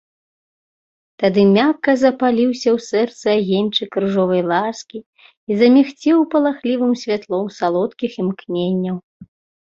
Тады мякка запаліўся ў сэрцы агеньчык ружовай ласкі і замігцеў палахлівым святлом салодкіх імкненняў.